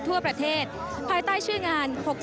ทั่วประเทศภายใต้ชื่องาน๖๐